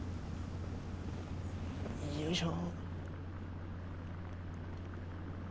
よいしょ。